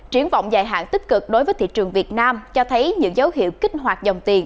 triển vọng dài hạn tích cực đối với thị trường việt nam cho thấy những dấu hiệu kích hoạt dòng tiền